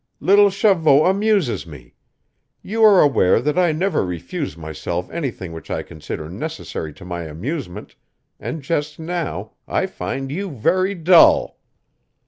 Little Chavot amuses me. You are aware that I never refuse myself anything which I consider necessary to my amusement, and just now I find you very dull."